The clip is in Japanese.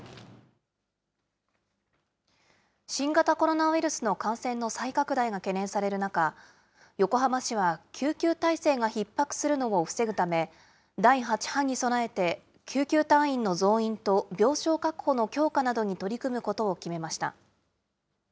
新型コロナウイルスの感染の再拡大が懸念される中、横浜市は救急態勢がひっ迫するのを防ぐため、第８波に備えて救急隊員の増員と病床確保の強化などに取り組むことを決めました。